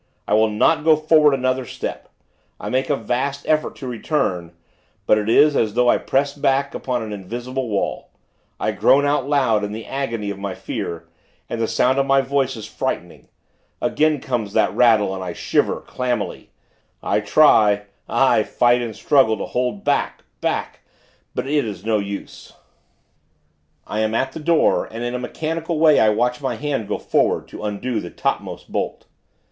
I will not go forward another step. I make a vast effort to return; but it is, as though I press back, upon an invisible wall. I groan out loud, in the agony of my fear, and the sound of my voice is frightening. Again comes that rattle, and I shiver, clammily. I try aye, fight and struggle, to hold back, back; but it is no use.... I am at the door, and, in a mechanical way, I watch my hand go forward, to undo the topmost bolt.